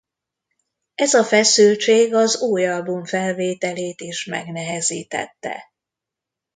Ez a feszültség az új album felvételét is megnehezítette.